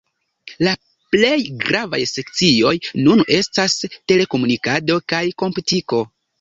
La plej gravaj sekcioj nun estas telekomunikado kaj komputiko.